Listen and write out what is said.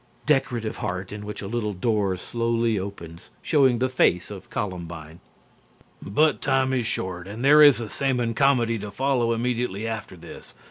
(Decorative heart, in which a little door slowly opens, showing the face of Columbine.) But time is short and there is a Semon comedy to follow immediately after this.